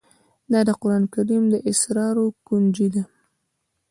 دا د قرآن کريم د اسرارو كونجي ده